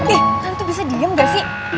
eh kan itu bisa diem gak sih